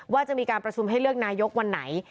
ว่าจะมีการประชุมให้เลือกนายกวันไหน